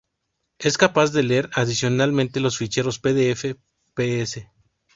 Es capaz de leer adicionalmente los ficheros pdf, ps.